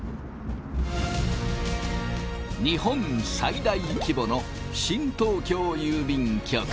日本最大規模の新東京郵便局。